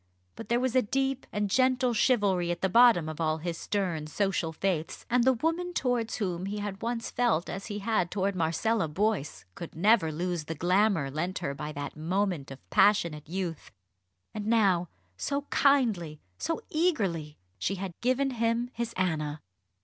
But there was a deep and gentle chivalry at the bottom of all his stern social faiths; and the woman towards whom he had once felt as he had towards Marcella Boyce could never lose the glamour lent her by that moment of passionate youth. And now, so kindly, so eagerly! she had given him his Anna.